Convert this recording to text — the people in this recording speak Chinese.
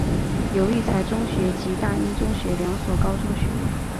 有育才中学及大英中学两所高中学院。